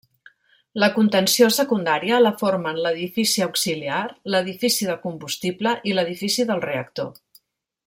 La contenció secundària la formen l'edifici auxiliar, l'edifici de combustible i l'edifici del reactor.